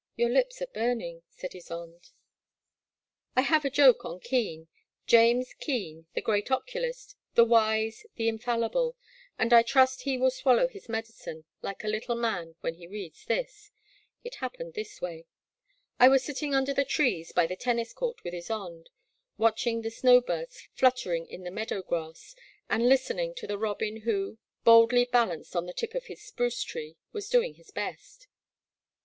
— ^your lips are burning," said Ysonde. ^^^^*^^^^^^^^^^ I have a joke on Keen — James Keen, the great oculist, the wise, the infallible, — and I trust he will swallow his medicine like a little man when he reads this. It happened in this way. I was sitting under the trees by the Tennis Court with Ysonde, watching the snow birds flut tering in the meadow grass, and listening to the robin who, boldly balanced on the tip of his spruce tree, was doing his best.